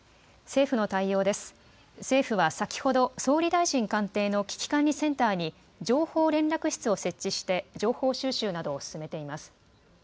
政府は先ほど総理大臣官邸の危機管理センターに情報連絡室を設置して情報収集などを進めています。